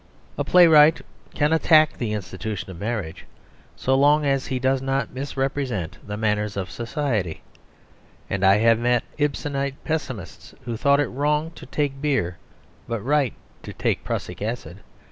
A playwright can attack the institution of marriage so long as he does not misrepresent the manners of society, and I have met Ibsenite pessimists who thought it wrong to take beer but right to take prussic acid.